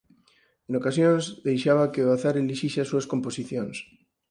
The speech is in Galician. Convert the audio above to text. En ocasións deixaba que o azar elixise as súas composicións.